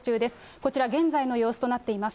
こちら、現在の様子となっています。